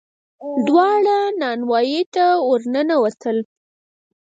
دواړه نانوايي ته ور ننوتل.